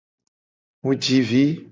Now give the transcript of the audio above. Mu ji vi.